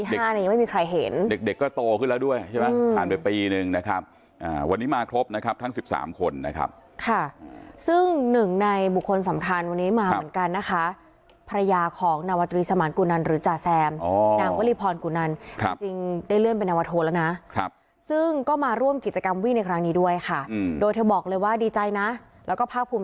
ส่วนตัวภูมิใจมากที่ได้เป็นอย่างดีส่วนตัวภูมิใจมากที่ได้เป็นอย่างดีส่วนตัวภูมิใจมากที่ได้เป็นอย่างดีส่วนตัวภูมิใจมากที่ได้เป็นอย่างดีส่วนตัวภูมิใจมากที่ได้เป็นอย่างดีส่วนตัวภูมิใจมากที่ได้เป็นอย่างดีส่วนตัวภูมิใจมากที่ได้เป็นอย่างดีส่วนตัวภูมิใจมากที่